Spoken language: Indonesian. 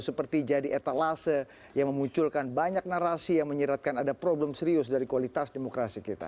seperti jadi etalase yang memunculkan banyak narasi yang menyiratkan ada problem serius dari kualitas demokrasi kita